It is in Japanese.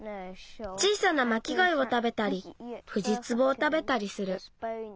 小さなまきがいをたべたりフジツボをたべたりする。